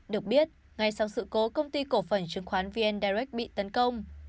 được biết ngay sau sự cố công ty cổ phần chứng khoán vn direct bị tấn công